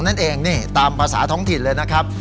นั่นเองนี่ตามภาษาท้องถิ่นเลยนะครับ